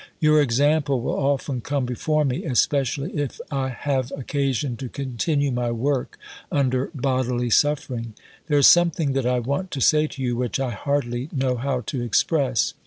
Your example will often come before me, especially if I have occasion to continue my work under bodily suffering. There is something that I want to say to you which I hardly know how to express."